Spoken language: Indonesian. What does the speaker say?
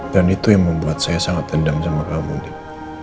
dan itu yang membuat saya sangat dendam sama kamu nip